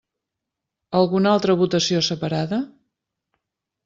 Alguna altra votació separada?